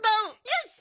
よし！